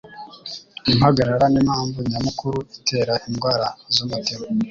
Impagarara nimpamvu nyamukuru itera indwara z'umutima.